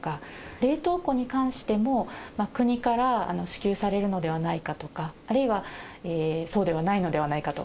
冷凍庫に関しても、国から支給されるのではないかとか、あるいはそうではないのではないかと。